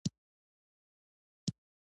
سو، سي، سم، ږغ لیکل کفر بلل کېده.